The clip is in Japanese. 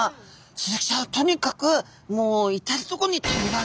スズキちゃんはとにかくもう至るとこに棘がありますので。